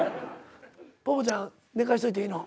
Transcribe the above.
ぽぽちゃん寝かしといていいの？